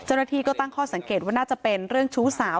เจ้าหน้าที่ก็ตั้งข้อสังเกตว่าน่าจะเป็นเรื่องชู้สาว